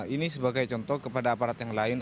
ini sebagai contoh kepada aparat yang lain